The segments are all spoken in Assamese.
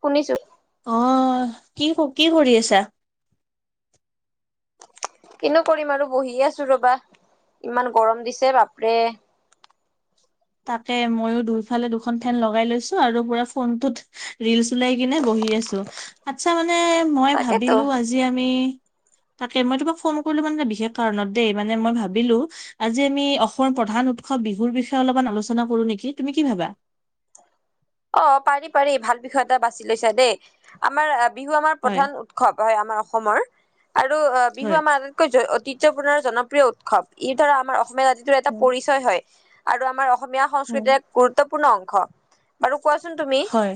শুনিছো অ কি কি কৰি আছা কিনো কৰিম আৰু বহি আছো ৰবা ইমান গৰম দিছে বাপৰে তাকে মই দুফালে দুখন ফেন লগাই লৈছো আৰু ফোনটো পুৰা ৰীল চলাই কিনে বহি আছো আচ্ছা মানে মই তাকেতো ভাবিলো আজি আমি তাকে মই তোমাক ফোন কৰিলো মানে বিশেষ কাৰণত দেই মানে মই ভাবিলো আজি আমি অসমৰ প্ৰধান উৎসৱ বিহুৰ বিষয়ে অলপমান আলোচনা কৰো নেকি তুমি কি ভাবা অ পাৰি পাৰি ভাল বিষয় এটা বাছি লৈছা দেই আমাৰ বিহু আমাৰ হয় প্ৰধান উৎসৱ হয় আমাৰ অসমৰ আৰু বিহু হয় আমাৰ কৈ ঐতিহ্যপূৰ্ণ আৰু জনপ্ৰিয় উৎসৱ ইৰ ধৰা আমাৰ অসমীয়া জাতিটোৰ এটা পৰিচয় হয় আৰু আমাৰ অসমীয়া সংস্কৃতিৰ এক গুৰুত্বপূৰ্ণ অংশ বাৰু কোৱাচোন তুমি হয়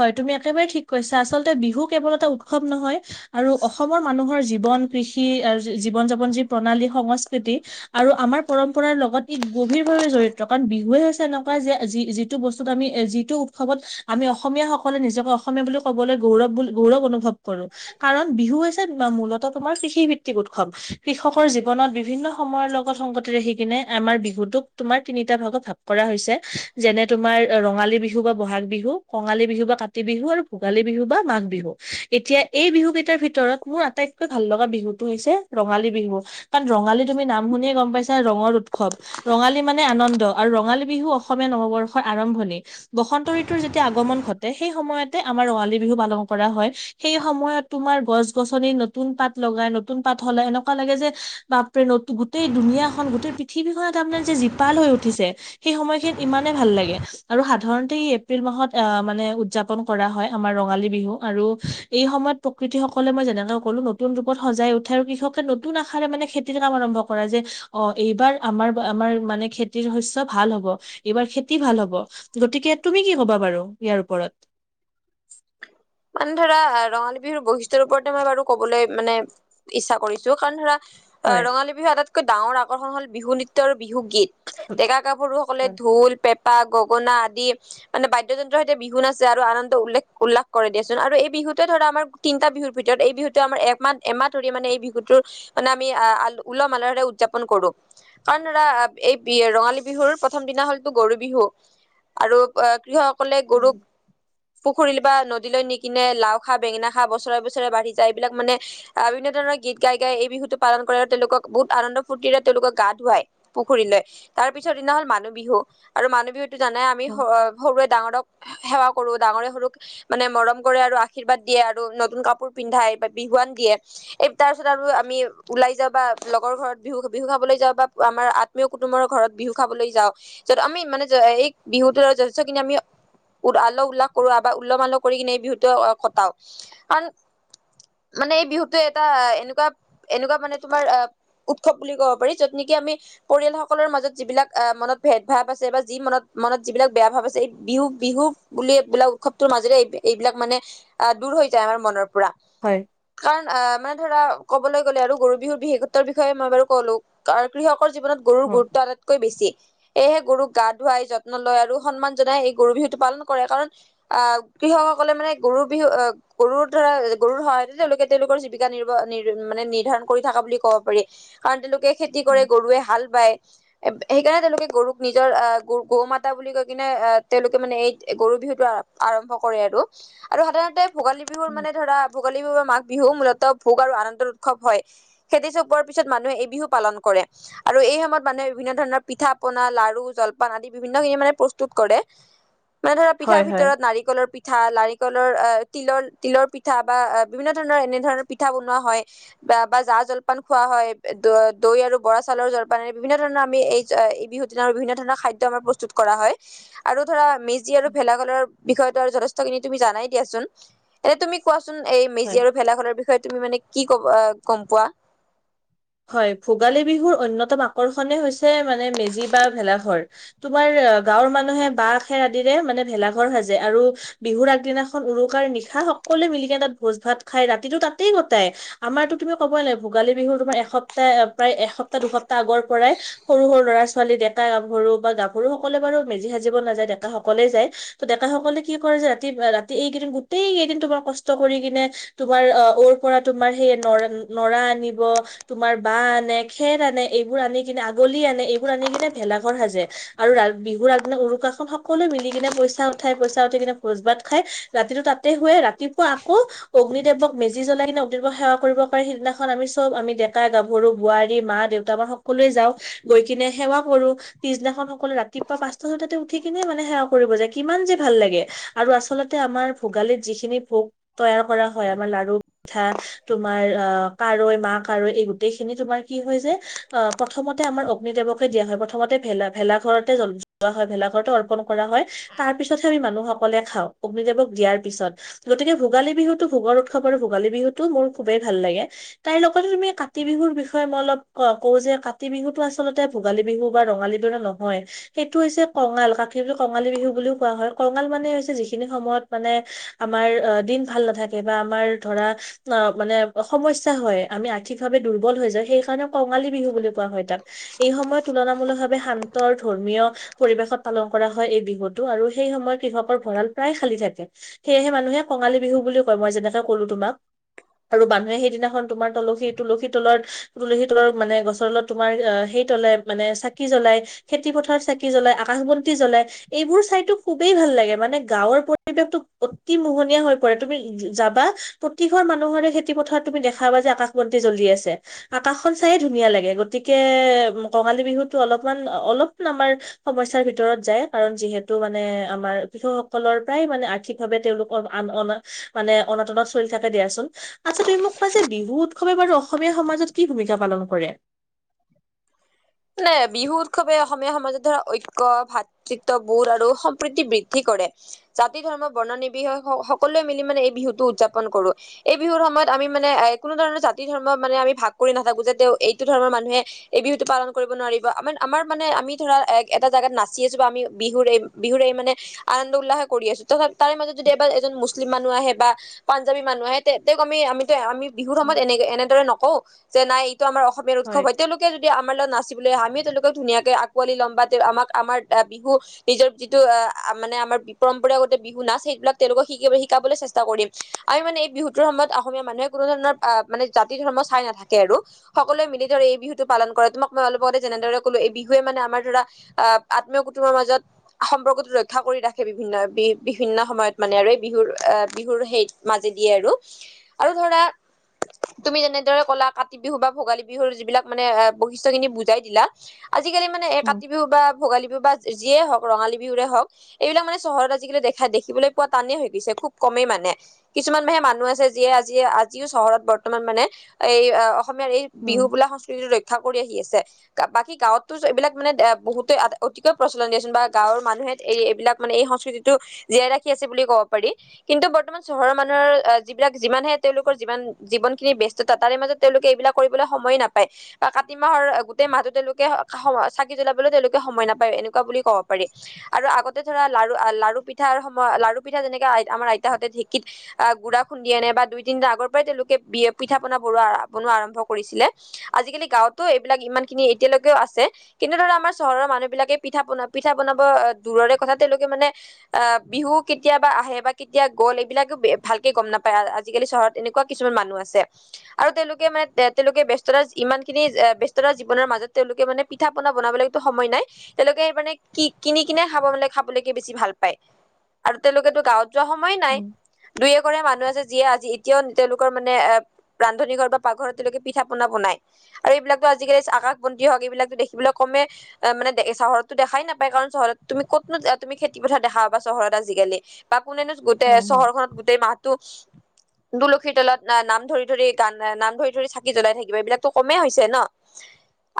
হয় তুমি একেবাৰে ঠিক কৈছা আচলতে বিহু কেৱল এটা উৎসৱ নহয় আৰু অসমৰ মানুহৰ জীৱন কৃষি জীৱন যাপন যি প্ৰণালী সংস্কৃতি আৰু আমাৰ পৰম্পৰাৰ লগত ই গভীৰ ভাৱে জড়িত কাৰণ বিহুৱে হৈছে এনেকুৱা যে যি যিটো বস্তুত আমি এ যি টো উৎসৱত আমি অসমীয়াসকলে নিজকে অসমীয়া বুলি ক'বলৈ গৌৰৱ বুলি গৌৰৱ অনুভৱ কৰো। কাৰণ বিহু হৈছে মূলতঃ তোমাৰ কৃষিভিত্তিক উৎসৱ কৃষকৰ জীৱনত বিভিন্ন সময়ৰ লগত সংগত কিনে আমাৰ বিহুটেক তোমাৰ তিনিটা ভাগত ভাগ কৰা হৈছে যেনে তোমাৰ ৰঙালী বিহু বিহু বা বহাগ বিহু কঙালী বিহু বা কাতি বিহু আৰু ভোগালী বিহু বা মাঘ বিহু এতিয়া এই বিহু কেইটাৰ ভিতৰত ভিতৰত মোৰ আটাইতকৈ ভাল লগা বিহুতটো হৈছে ৰঙালী বিহু কাৰণ ৰঙালী তুমি নাম শুনিয়ে গম পাইছা ৰঙৰ উৎসৱ ৰঙালী মানে আনন্দ আৰু ৰঙালী বিহু অসমীয়া নৱবৰ্ষৰ আৰম্ভণি বসন্ত ঋতুৰ যেতিয়া আগমন ঘটে সেই সময়তে আমাৰ ৰঙালী বিহু পালন কৰা হয়। সেই সময়ত তোমাৰ গছ গছনি নতুন পাত লগাই নতুন পাত সলায় এনেকুৱা লাগে যে বাপৰে গোটেই দুুনীয়াখন গোটেই পৃথিৱীখন আপোনাৰ যে জীপাল হৈ উঠিছে। সেই সময়খিনিত ইমানে ভাল লাগে আৰু সাধাৰণ এপ্ৰিল মাহত আহ মানে উদযাপন কৰা হয় আমাৰ ৰঙালী বিহু আৰু এই সময়ত প্ৰকৃতি সকলে মই যেনেকে কলো নতুন ৰূপত সজাই উঠে আৰু কৃষকে নতুন আশাৰে মানে খেতিৰ কাম আৰম্ভ কৰে যে অ এইবাৰ আমাৰ আমাৰ মানে খেতিৰ শস্য ভাল হব। এইবাৰ খেতি ভাল হ'ব গতিকে তুমি কি ক'বা বাৰু ইয়াৰ ওপৰত মানে ধৰা ৰঙালী বিহুৰ বৈশিষ্ট্যৰ ওপৰতে মই বাৰু কবলৈ মানে ইচ্ছা কাৰিছো কাৰণ ধৰা অঁহ হয় ৰঙালী বিহুৰ আটাইতকৈ ডাঙৰ আকৰ্ষণ হল বিহু নৃত্য আৰু বিহু গীত, ডেকা গাভৰুসকলে হয় ঢোল ঢোল, পেঁপা, গগনা আদি মানে বাদ্যযন্ত্ৰৰ সৈতে বিহু নাছে আৰু আনন্দ উল্লেখ উল্লাস কৰে দিয়াচোন। আৰু এই বিহুটোৱে ধৰা আমাৰ তিনিটা বিহুৰ ভিতৰত এই বিহুটোৱে আমাৰ একমাহ এমাহ ধৰি মানে এই বিহুটোৰ মানে আমি আহল উল্লাহ মালহেৰে উদযাপন কৰো, কাৰণ ধৰা এই বি ৰঙালী বিহুৰ প্ৰ প্ৰথম দিনা হ'লটো গৰু বিহু, আৰু কৃষকসকলে গৰুক পুখুৰীত বা নদীলৈ নিকিনে লাও খা বেঙেনা খা বছৰে বছৰে বাঢ়ি যা এইবিলাক মানে আহ বিভিন্ন ধৰণৰ গীত গাই গাই এই বিহুটো পালন কৰে আৰু তেওঁলোকক বহুত আনন্দ ফূৰ্তিৰে তেওঁলোকক গা ধুৱায়। পুখুৰীলৈ, তাৰ পিছৰ দিনা হ'ল মানুহ বিহু, আৰু মানুহ বিহুতো জানাই আমি হ সৰুৱে ডাঙৰক সেৱা কৰোঁ, ডাঙৰে সৰুক মানে মৰম কৰে আৰু আশীৰ্বাদ দিয়ে আৰু নতুন কাপোৰ পিন্ধাই বা বিহুৱান দিয়ে। এই তাৰপিছত আৰু আমি ওলাই যাওঁ বা লগৰ ঘৰত বিহু বিহু খাবলৈ যাওঁ বা আমাৰ আ আত্নীয় কুটুমৰ ঘৰত বিহু খাবলৈ যাওঁ, যত আমি মানে এই বিহুটো যথেষ্টখিনি আমি উল্ আল্লহ উল্লাহ কৰো বা উল্লহ মাল্লহ কৰি কিনে বিহুটো কটাও, কাৰণ মানে এই বিহুটোৱে এটা এনেকুৱা এনেকুৱা মানে তোমাৰ অ উৎসৱ ক'ব পাৰি য'ত নেকি আমি পৰিয়াল সকলৰ মাজত যিবিলাক অহ মনত ভেদ ভাৱ আছে বা যি মনত যিবিলাক বেয়া ভাৱ আছে এই বিহু বিহু বুলি বোলা এইবিলাক উৎসৱটোৰ মাজেৰে এই এইবিলাক মানে আহ দূৰ হৈ যায় আমাৰ মনৰ পৰা। হয়। কাৰণ আহ মানে ধৰা কবলৈ গ'লে আৰু গৰু বিহুৰ বিশেষত্বৰ বিষয়ে মই বাৰু ক'লো। কাৰণ কৃষকৰ জীৱনত গৰুৰ হয় গুৰুত্ব আটাইতকৈ বেছি। সেয়েহে গৰুক গা ধুৱাই যত্ন লয় আৰু সন্মান জনাই এই গৰু বিহুটো পালন কৰে, কাৰণ আহ কৃষকসকলে মানে গৰু বিহু অহ গৰুৰ ধৰা গৰুৰ সহায়তে তেওঁলোকে তেওঁলোকৰ জীৱিকা নিৰ্ব মানে নিৰ্ধাৰণ কৰি থকা বুলি কব পাৰি। কাৰণ তেওঁলোকে খেতি কৰে গুৰুৱে হাল বায়, সেইকাৰণে তেওঁলোকে গৰুক নিজৰ আহ গ গৌ মাতা বুলি কৈ কিনে তেওঁলোকে মানে এই গৰু বিহুটো আৰম্ভ কৰে আৰু। আৰু সাধাৰণতে ভোগালী বিহুৰ মানে ধৰা ভোগালী বিহু বা মাঘ বিহু মূলত ভোগ আৰু আনন্দৰ উৎসৱ হয়। খেতি চপোৱাৰ পিছত মানুহে এই বিহু পালন কৰে, আৰু এই সময়ত মানুহে বিভিন্ন ধৰণৰ পিঠা পনা, লাৰু, জলপান আদি বিভিন্ন খিনি মানে প্ৰস্তুত কৰে। মানে ধৰা পিঠাৰ হয় হয় ভিতৰত নাৰিকলৰ পি পিঠা লাৰিকলৰ আহ তিলৰ তিলৰ পিঠা বা বিভিন্ন ধৰণৰ এনে ধৰণৰ পিঠা বনোৱা হয় বা বা জা জলপান খোৱা হয় দৈ আৰু বৰা চাউলৰ জলপান বিভিন্ন ধৰণৰ আমি এই বিহু দিনা আৰু বিভিন্ন ধৰণৰ খাদ্য আমাৰ প্ৰস্তুত কৰা হয়। আৰু ধৰা মেজি আৰু ভেলাঘৰৰ বিষয়টো আৰু যথেষ্টখিনি তুমি জানাই দিয়াচোন। এনে তুমি কোৱাচোন এই হয় মেজি আৰু ভেলাখনৰ বিষয়ে তুমি মানে কি ক'ব আ গম পোৱা? হয় ভোগালী বিহুৰ অন্যতম আকৰ্ষণে হৈছে মানে মেজি বা ভেলাঘৰ। তোমাৰ গাঁৱৰ মানুহে বাঁহ খেৰ আদিৰে মানে ভেলাঘৰ সাজে, আৰু বিহুৰ আগদিনাখন উৰুকাৰ নিশা সকলোৱে মিলিকেনে তাত ভোজ ভাত খাউ ৰাতিটো তাতেই কটাই। আমাৰতো তুমি কব নেলাগে ভোগালী বিহু তোমাৰ এশ এসপ্তাহ প্ৰায় এসপ্তাহ দুসপ্তাহ আগৰ পৰাই সৰু সৰু ল'ৰা ছোৱালী দে কা গাভৰু বা গাভৰু সকলে বাৰু মেজি সাজিব নাযায় ডেকা সকলেই যায়। ত ডেকাসকলে কি কৰে যে ৰাতি ৰাতি এইকেইদিন গোটেই কেইদিন তোমাৰ কষ্ট কৰি কিনে তোমাৰ অ ঔ ৰ পৰা তোমাৰ সেই নৰা নৰা আনিব তোমাৰ বাঁহ আনে খেৰ আনে এইবোৰ আনি কিনে আগলি আনে এইবোৰ আনি কিনে ভেলাঘৰ সাজে। আৰু ৰা বিহুৰ আগদিনা উৰুকাখন সকলোৱে মিলি কিনে পইচা উঠাই পইচা উঠাই কিনে ভোজ ভাত খাই ৰাতিটো তাতে শুৱে ৰাতিপুৱা আকৌ অগ্নিদেৱক মেজি জলাই কিনে অগ্নিদেৱক সেৱা কৰিবৰ কাৰণে সেইদিনাখন চব আমি দে কা গাভৰু বোৱাৰী মা দেউতা পৰা সকলোৱে যাওঁ গৈ কিনে সেৱা কৰো। পিছদিনাখন সকলোৱে ৰাতিপুৱা পাঁচটা ছয়টাতে উঠি কিনে মানে সেৱা কৰিব যায় কিমান যে ভাল লাগে। আৰু আচলতে আমাৰ ভোগালীত যিখিনি ভোগ তৈয়াৰ কৰা হয় আমাৰ লাড্ডু, পিঠা তোমাৰ আহ কাৰৈ মা কাৰৈ এই গোটেই খিনি তোমাৰ কি হয় যে অ প্ৰথমতে আমাৰ অগ্নি দেৱকে দিয়া হয় প্ৰথমতে ভেলা ভেলাঘৰতে জ্ব লোৱা হয় ভেলাঘৰতো অৰ্পন কৰা হয় তাৰ পিছতহে আমি মানুহসকলে খাওঁ, অগ্নিদেৱক দিয়াৰ পিছত। গতিকে ভোগালী বিহুতো ভোগৰ উৎসৱ আৰু ভোগালী বিহুতো মোৰ খুবেই ভাল লাগে তাই লগতে তুমি কা তি বিহুৰ বিষয়ে মই অলপ কওঁ যে কাতি বিহুতো আচলতে ভোগালী বিহু বা ৰঙালী বিহুৰ দৰে নহয়। সেইটো হৈছে কঙাল কাতি বিহুক কঙালী বিহু বুলিও কোৱা কঙাল হৈছে যিখিনি সময়ত মানে আমাৰ অ দিন ভাল নাথাকে বা আমাৰ ধৰা অ মানে সমস্যা হয় আমি আৰ্থিক ভাৱে দুৰ্বল হৈ যায় সেইকাৰণে কঙালী বিহু বুলি কোৱা হয় তাক। এই সময়ত তুলনামূলক ভাৱে শান্ত আৰু ধৰ্মীয় পৰিবেশত পালন কৰা হয় এই বিহুটো আৰু সেই সময়ত কৃষকৰ ভঁৰাল প্ৰায় খালী থাকে। সেয়েহে মানুহে কঙালী বিহু বুলি কয়, মই যেনেকে ক'লো তোমাক। আৰু মানুহে সেইদিনাখন তোমাৰ তুলসী তুলসীৰ তলত তুলসী তলৰ মানে গছৰ তলত তোমাৰ হেই তলে মানে চাকি জ্বলাই। খেতি পথাৰত চাকি জ্বলাই আকাশবন্তি জ্বলাই। এইবোৰ চাইটো খুবেই ভাল লাগে, মানে গাঁৱৰ পৰিৱেশটো অতি মোহনীয়া হৈ পৰে তুমি যাবা প্ৰতিঘৰ মানুহৰে খেতি পথাৰত তুমি দেখা পাবা যে আকাশ বন্তি জ্বলি আছে। আকাশখন চায়ে ধুনীয়া লাগে গতিকে কঙালী বিহুতো অলপমান অলপ আমাৰ সমস্যৰ ভিতৰত যায় কাৰণ যিহেতু মানে আমাৰ কৃষকসকলৰ প্ৰায় মানে আ ৰ্থিক ভাৱে তেওঁলোকৰ অনা মানে অনাতনত চলি থাকে দিয়াচোন, আচ্ছা তুমি মোক কোৱা যে বিহুত সময়ত বাৰু অসমীয়া সমাজত কি ভূমিকা পালন কৰে? মানে বিহু উৎসৱে অসমীয়া সমাজত ধৰা ঐক্য ভা তৃত্ব বোধ আৰু সম্প্ৰীতি বৃদ্ধি কৰে। জাতি ধৰ্ম বৰ্ণ নিবি স সকলোৱে মিলি মানে এই বিহুটো উদযাপন কৰো। এই বিহুৰ সময়ত আমি মানে এ কোনো ধৰণৰ জাতি ধৰ্ম মানে আমি ভাগ কৰি নাথাকো যে তেওঁ এইটো ধৰ্মৰ মানুহে এই বিহুটো পালন কৰিব নোৱাৰিব আমাৰ আমাৰ মানে আমি ধৰা এটা জেগাত নাচি আছো বা আমি বিহু এই বিহু এই মানে আনন্দ উল্লাহে কৰি আছো ত তাৰে মাজত যদি এবাৰ এজন মুছলিম মানুহ আহে বা পাঞ্জাবী মানুহ আহে তেওঁক আমি আমিতো আমি বিহুৰ সময়ত উম, এনে এনেদৰে নকওঁ যে নাই এইটো আমাৰ অসমীয়াৰ উৎসৱ হয় তেওঁলোকে যদি আমাৰ লগত না চিবলৈ আহে, আমিও তেওঁলোকক ধুনীয়াকৈ আকোৱালি লম বা তেওঁ আমাক আমাৰ বিহু নিজৰ যিটো মানে আমাৰ বি পৰমম্পৰাগত বিহু নাচ সেইবিলাক তেওঁলোকক শিক শিকাবলৈ চেষ্টা কৰিম। আমি মানে এই বিহুতৰ সময়ত অসমীয়া মানুহে কোনো ধৰণৰ আহ মানে জাতি ধৰ্ম চাই নাথাকে আৰু। সকলোৱে মিলি ধৰ এই বিহুটোক পালন কৰে তোমাক মই অলপ আগতে যেনেদৰে কলো এই বিহুৱে মানে আমাৰ ধৰা আহ আত্মীয় কুটুমৰ মাজত সম্পৰ্কতো ৰক্ষা কৰি ৰাখে বিভিন্ন বি বিভিন্ন সময়ত মানে আৰু এই বিহুৰ আহ বিহুৰ সেই মাজে দিয়ে আৰু। আৰু ধৰা তুমি যেনেদৰে ক'লা কাতি বিহু বা ভোগালী বিহুৰ যিবিলাক মানে আ বস্তু খিনি বুজাই দিলা আজি কালি মানে এই উম, কাতি বিহু বা ভোগালী বিহু বা যিয়ে হওক, ৰঙালী বিহুৰে হওক। এইবিলাক মানে চহৰত আজিকালি দেখা দেখিবলৈ পোৱা টানেই হৈ গৈছে খুব কমেই মানে। কিছুমান হে মানুহ আছে যিয়ে আজি আজিও চহৰত বৰ্তমান মানে এই অসমীয়াৰ এই- বিহু উম, বোলা সংস্কৃতিটো ৰক্ষা কৰি আহি আছে। বাকী গাঁৱতো এইবিলাক মানে বহুতে অতিকৈ প্ৰচলন দিয়াচোন বা গাঁৱৰ মানুহে- এই এইবিলাক মানে এই সংস্কৃতিটো জীয়াই ৰাখি আছে বুলি ক'ব পাৰি। কিন্তু বৰ্তমান চহৰৰ মানুহৰ যিবিলাক যিমানহে তেওঁলোকৰ যিমান জীৱনখিনি বেষ্ট- ত' তাৰে মাজত তেওঁলোকে এইবিলাক কৰিবলে সময়ে নাপায়। কা কাতি মাহৰ গোটেই মাহতো তেওঁলোকে চাকি জ্বলাবলৈও তেওঁলোকে সময় নাপায়, এনেকুৱা বুলি- কব পাৰি। আৰু আগতে- ধৰা লাৰু লাৰু পিঠাৰ সময় লাৰু পিঠা যেনেকে আমাৰ আইতাহঁতে ঢেঁকীত- আহ গুড়া খুন্দি আনে বা দুই তিন দিনৰ আগৰ পৰাই তেওঁলোকে বি পিঠা পনা বনোৱা বনোৱা আৰম্ভ কৰিছিলে। আজিকালি গাঁৱতো এইবিলাক ইমান খিনি এতিয়ালৈকেও আছে। কিন্তু ধৰা আমাৰ চহৰৰ মানুহবিলাকে পিঠা বনা পিঠা বানাব দূৰৰে কথা, তেওঁলোকে মানে- আহ বিহু কেতিয়াবা আহে বা কেতিয়া গ'ল? এইবিলাকো ভালকে গম নাপায় আজিকালি চহৰত- এনেকুৱা কিছুমান মানুহ আছে। আৰু তেওঁলোকে মানে এ তেওঁলোকে ব্যস্ততাত ইমান- খিনি ব্যস্ততা জীৱনৰ মাজত তেওঁলোকে মানে পিঠা পনা বনাবলৈটো সময় নাই। তেওঁলোকে সেই মানে কি কিনি কিনে খাব মানে খাবলৈকে বেছি ভাল পায়। আৰু তেওঁলোকেতো গাঁৱত- যোৱা সময় নাই। উম, দুই এঘৰে মানুহ আছে যিয়ে আজি এতিয়াও তেওঁলোকৰ মানে এ- ৰান্ধনী ঘৰ বা পাকঘৰত তেওঁলোকে পিঠা পনা বনাই। আৰু এইবিলাকতো আজিকালি আকাশ বন্তি হওক এইবিলাকটো দেখিবলে কমে। অ মানে চহৰততো দেখাই নাপায়, কাৰণ চহৰত তুমি ক'তনো তুমি খেতি পথাৰ দেখা পাবা চহৰত আজিকালি। বা কোনেনো গোটেই উম, চহৰখনত গোটেই মাহ- তু তুলসীৰ তলত নাম ধৰি ধৰি গান নাম ধৰি ধৰি চাকি জ্বলাই থাকিবা, এইবিলাক- টো কমেই হৈছে ন।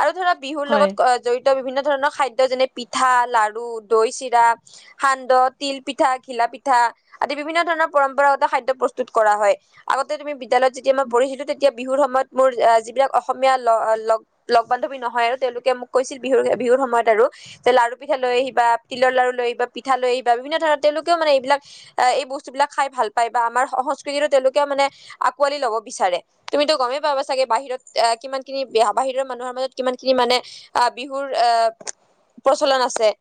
আৰু ধৰা বিহুৰ লগত হয়। অ- জড়িত বিভিন্ন ধৰণৰ খাদ্য যেনে পিঠা, লাৰু, দৈ চিৰা, - সান্দহ, তিল পিঠা, ঘিলা পিঠা আদি বিভিন্ন ধৰণৰ পৰম্পৰাগত খাদ্য প্ৰস্তুত কৰা হয়। আগতে তুমি বিদ্যালয়ত যেতিয়া মই পঢ়িছিলো তেতিয়া বিহুৰ সময়ত মোৰ এঁ যিবিলাক- অসমীয়া ল লগ লগ বান্ধৱী নহয় আৰু তেওঁলোকে মোক কৈছিল বিহুৰ বিহুৰ সময়ত আৰু- যে লাৰু পিঠা লৈ আহিবা, তিলৰ লাৰু লৈ আহিবা, পিঠা লৈ আহিবা বিভিন্ন ধৰণৰ তেওঁলোকেও মানে এইবিলাক- এ এই বস্তুবিলাক খায় ভাল পায় বা আমাৰ সংস্কৃতিটো তেওঁলোকেও মানে আকোৱালি লব বিচাৰে। তুমিটো গমেই পাবা চাগে বাহিৰত- এহ কিমান খিনি বাহিৰৰ মানুহৰ মাজত কিমান খিনি মানে আহ বিহুৰ এহ- প্ৰচলন আছে।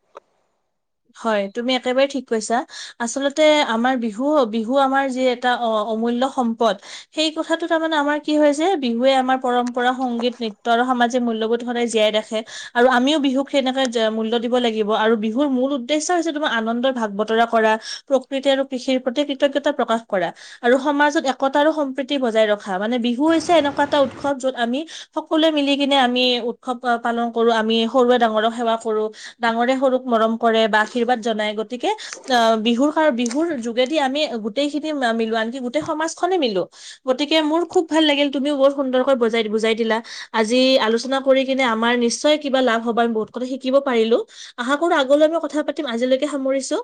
হয়, তুমি একেবাৰে ঠিক কৈছা। আচলতে আমাৰ বিহু বিহু আমাৰ যি এটা অ অমূল্য সম্পদ, - সেই কথাটো তাৰমানে আমাৰ কি হয় যে বিহুৱে আমাৰ পৰম্পৰা সংগীত নৃত্য আৰু সামাজি- যে মূলয়বোধ সদায় ৰাখে, আৰু আমিও বিহুক সেনেকে মূলয় দিব লাগিব আৰু বিহুক- মোৰ মূল উদ্দেশ্য হৈছে তোমাৰ আনন্দৰ ভাগ বতৰা কৰা, প্ৰকৃতি আৰু কৃষিৰ প্ৰতি কৃতজ্ঞতা প্ৰকাশ কৰা। আৰু সমাজত একতা আৰু সম্প্ৰীতি বজাই ৰখা মানে বিহু হৈছে এনেকুৱা এটা উৎসৱ য'ত আমি- সকলোৱে মিলি কিনে আমি উৎসৱ পালন কৰো আমি সৰুৱে ডাঙৰক সেৱা কৰোঁ। ডাঙৰে সৰুক মৰম কৰে বা আশীৰ্বাদ জনাই, গতিকে- অঁ বিহুৰ কাৰ বিহুৰ যোগেদি আমি গোটেইখিনি মিলো আনকি গোটেই সমাজখনে মিলোঁ। গতিকে মোৰ খুব ভাল লাগিল, তুমিও বৰ সুন্দৰকৈ বজাই বুজাই দিলা। আজি আলোচনা কৰি কেনে আমাৰ নিশ্চয় কিবা লাভ হব আমি বহুত কথা শিকিব পাৰিলোঁ। আহা- বোৰ আগলৈ মই কথা পাতিম আজিলৈকে সামৰিছো।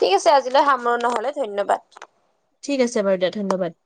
ঠিক আছে আজিলৈ সামৰণ ন'হলে ধন্যবাদ ঠিক আছে বাৰু দিয়া ধন্যবাদ